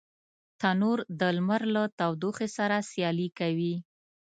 تنور د لمر له تودوخي سره سیالي کوي